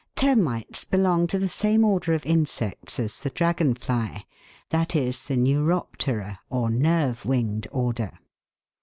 Termites belong to the same order of insects as the dragon fly, that is, the Neuroptera, or nerve winged order.